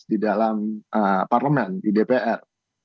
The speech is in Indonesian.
di dalam parlemen di dpr